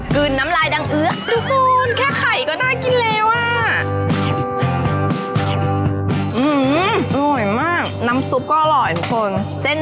กลืนน้ำลายดังเอื้อกทุกคน